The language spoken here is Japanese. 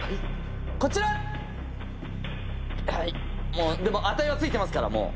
もうでも値は付いてますからもう。